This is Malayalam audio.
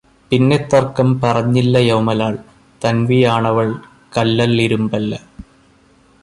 പിന്നെത്തർക്കം പറഞ്ഞില്ലയോമലാൾ; തന്വിയാണവൾ കല്ലല്ലിരുമ്പല്ല!